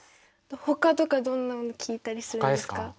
ほかとかどんなの聴いたりするんですか？